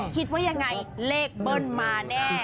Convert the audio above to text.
คิดว่ายังไงเลขเบิ้ลมาแน่